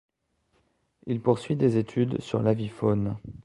Il poursuit des études sur l'avifaune.